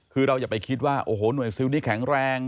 คือเราอย่าไปคิดว่าโอ้โหหน่วยซิลที่แข็งแรง